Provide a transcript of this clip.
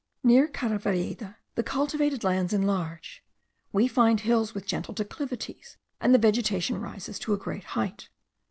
Near Caravalleda, the cultivated lands enlarge; we find hills with gentle declivities, and the vegetation rises to a great height.